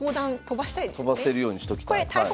飛ばせるようにしときたい。